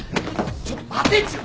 ちょっと待てちよ！